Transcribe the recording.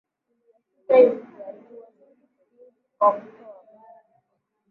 iliyopita Ilizaliwa kimsingi kama mto wa bara wakati